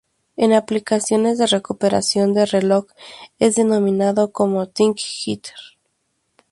En aplicaciones de recuperación de reloj es denominado como "timing jitter".